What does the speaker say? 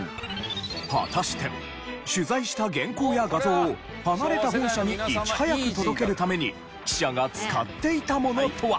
果たして取材した原稿や画像を離れた本社にいち早く届けるために記者が使っていたものとは？